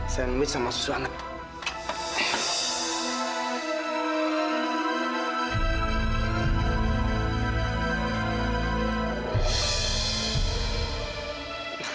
sandwich sama susu hangat